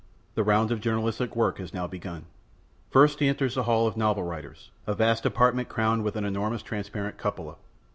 The round of journalistic work was now begun. First he enters the hall of the novel writers, a vast apartment crowned with an enormous transparent cupola.